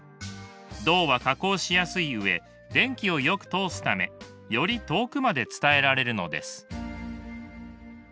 銅は加工しやすい上電気をよく通すためより遠くまで伝えられるのです。